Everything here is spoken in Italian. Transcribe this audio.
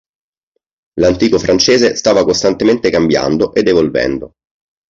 L'antico francese stava costantemente cambiando ed evolvendo.